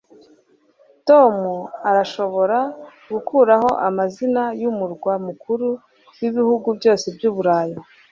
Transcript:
tom arashobora gukuraho amazina yumurwa mukuru wibihugu byose byuburayi